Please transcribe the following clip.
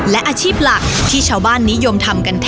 และอาชีพหลักที่ชาวบ้านนิยมทำกับเรื่องนี่